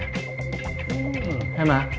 ใช่มั้ย